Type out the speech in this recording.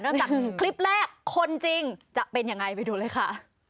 เริ่มจากคลิปแรกคนจริงจะเป็นอย่างไรไปดูเลยค่ะ